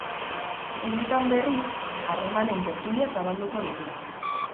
Seietan, berriz, harremanen tertulia zabalduko dute.